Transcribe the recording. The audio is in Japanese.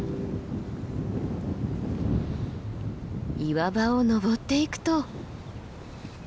岩場を登っていくと。